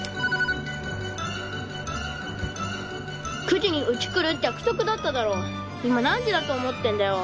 ☎９時にうち来るって約束だっただろ☎今何時だと思ってんだよ